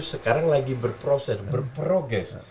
sekarang lagi berproses berprogress